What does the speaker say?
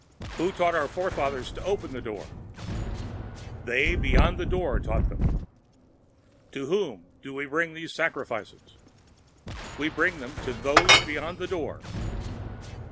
_" "Who taught our forefathers to open the Door?" "They Beyond the Door taught them." "To whom do we bring these sacrifices?" "_We bring them to Those Beyond the Door.